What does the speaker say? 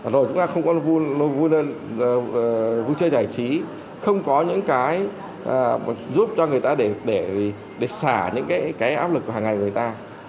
rồi chúng ta không có vui chơi giải trí không có những cái giúp cho người ta để xả những cái áp lực hàng ngày người ta